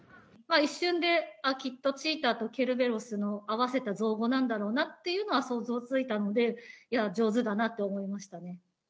一瞬で、きっとチーターとケルベロスの合わせた造語なんだろうなっていうのは、想像ついたので、上手だなと思いましたね。